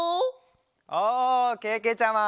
おおけけちゃま。